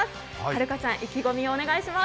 永佳ちゃん意気込みをお願いします。